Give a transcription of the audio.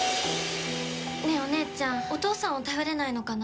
お姉ちゃん、お父さんを頼れないのかな。